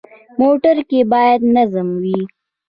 موټر کې باید نظم وي.